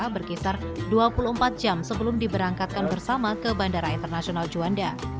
berkisar dua puluh empat jam sebelum diberangkatkan bersama ke bandara internasional juanda